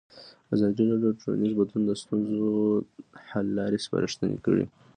ازادي راډیو د ټولنیز بدلون د ستونزو حل لارې سپارښتنې کړي.